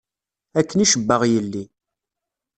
Akken i cebbaɣ yelli.